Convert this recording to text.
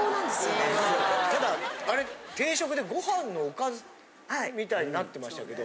ただあれ定食でご飯のおかずみたいになってましたけど。